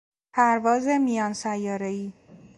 پرواز میان سیارهای